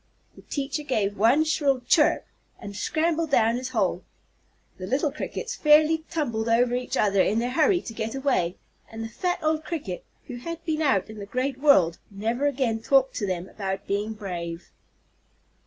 The teacher gave one shrill "chirp," and scrambled down his hole. The little Crickets fairly tumbled over each other in their hurry to get away, and the fat old Cricket, who had been out in the great world, never again talked to them about being brave.